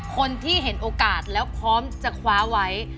คนที่เห็นโอกาสแล้วพร้อมจะคว้าไว้